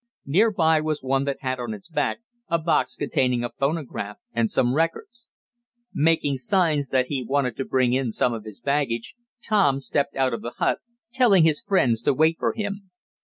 Nearby was one that had on its back a box containing a phonograph and some records. Making signs that he wanted to bring in some of his baggage, Tom stepped out of the hut, telling his friends to wait for him.